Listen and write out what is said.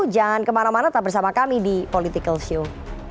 jangan kemana mana tetap bersama kami di politikalshow